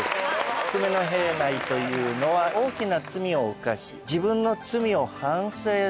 久米平内というのは大きな罪を犯し自分の罪を反省する。